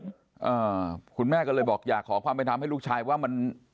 อ่าคุณแม่ก็เลยบอกอยากขอความเป็นธรรมให้ลูกชายว่ามัน